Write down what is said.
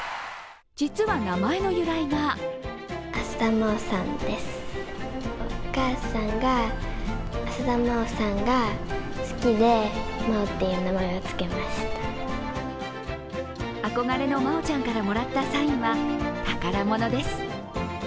実は名前の由来が憧れの真央ちゃんからもらったサインは宝物です。